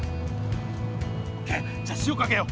じゃあ塩かけよう。